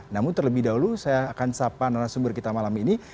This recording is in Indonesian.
namun terlebih dahulu saya akan sapa narasumber kita malam ini